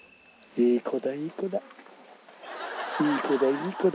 いい子だいい子だ。